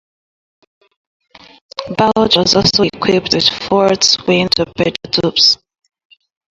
"Balch" was also equipped with four twin torpedo tubes.